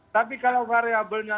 tapi kalau variabelnya